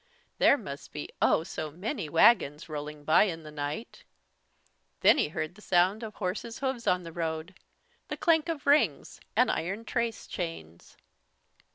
There must be, oh, so many wagons rolling by in the night. Then he heard the sound of horses' hoofs on the road, the clank of rings and iron trace chains.